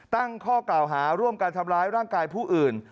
ตั้งข้อกล่าวหาร่วมการทำร้ายร่างกายผู้อื่น